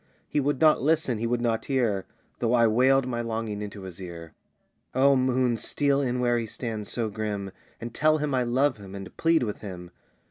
"He would not listen, he would not hear, Though I wailed my longing into his ear. "O moon, steal in where he stands so grim, And tell him I love him and plead with him.